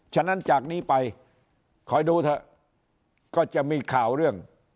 ฉะนั้นจากนี้ไปคอยดูเถอะก็จะมีข่าวเรื่อง